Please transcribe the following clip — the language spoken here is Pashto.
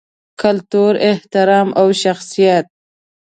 کلتور، احترام او شخصیت